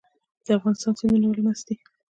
د افغانستان سیندونه ولې مست دي؟